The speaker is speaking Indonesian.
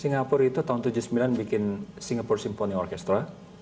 singapura itu tahun seribu sembilan ratus tujuh puluh sembilan bikin singapura symphony orchestra